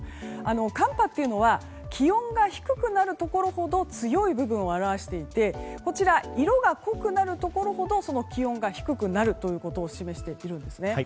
寒波というのは気温が低くなるところほど強い部分を表していて色が濃くなるところほどその気温が低くなることを示しているんですね。